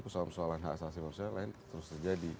persoalan persoalan hak asasi manusia lain terus terjadi